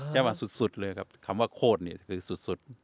ใช่ไหมสุดสุดเลยครับคำว่าโคตรนี่คือสุดสุด